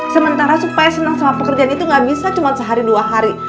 sementara supaya senang sama pekerjaan itu gak bisa cuma sehari dua hari